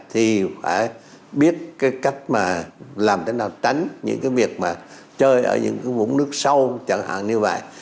thì phải biết cái cách mà làm thế nào tránh những cái việc mà chơi ở những cái vũng nước sâu chẳng hạn như vậy